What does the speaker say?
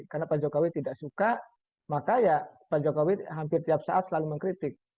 karena pak jokowi tidak suka maka ya pak jokowi hampir tiap saat selalu mengkritik